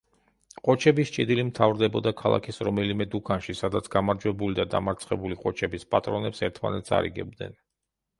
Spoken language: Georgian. ყოჩების ჭიდილი მთავრდებოდა ქალაქის რომელიმე დუქანში, სადაც გამარჯვებული და დამარცხებული ყოჩების პატრონებს ერთმანეთს „არიგებდნენ“.